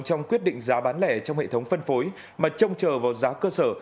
trong quyết định giá bán lẻ trong hệ thống phân phối mà trông chờ vào giá cơ sở